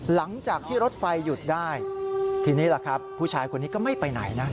หลังจากที่รถไฟหยุดได้ทีนี้ล่ะครับผู้ชายคนนี้ก็ไม่ไปไหนนะ